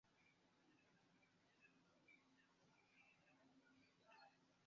Ili nestumas en grandaj kaj izolaj arboj sur kiuj ili konstruas platformon.